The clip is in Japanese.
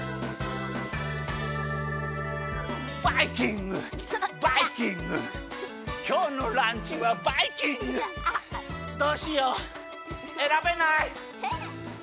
「バイキングバイキング」「きょうのランチはバイキング」どうしようえらべない。